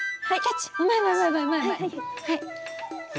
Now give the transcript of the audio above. はい。